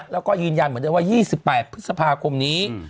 แล้วก็ยืนยันเหมือนเดิมว่า๒๘พฤษภาคมนี้